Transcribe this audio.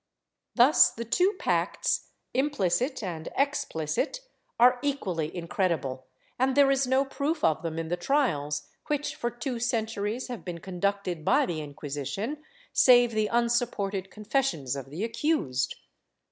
Thus the two pacts, implicit and explicit, are equally incredible and there is no proof of them in the trials which for two centuries have been conducted by the Inquisition, save the unsupported confessions of the accused.